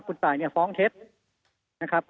คุณตายฟ้องเท็จ